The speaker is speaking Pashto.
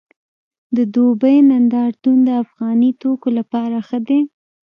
د دوبۍ نندارتون د افغاني توکو لپاره ښه دی